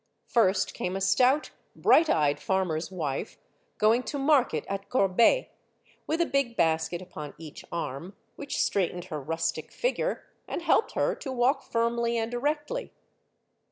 First came a stout, bright eyed farmer's wife, going to market at Corbeil, with a big basket upon each arm, which straightened her rustic figure, and helped her to walk firmly and erectly.